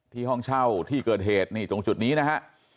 ห้องเช่าที่เกิดเหตุนี่ตรงจุดนี้นะฮะ